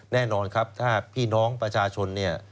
แน่นอนครับถ้าพี่น้องประชาชนเนี่ย